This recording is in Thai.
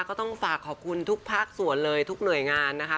ก็ต้องฝากขอบคุณทุกภาคส่วนเลยทุกหน่วยงานนะคะ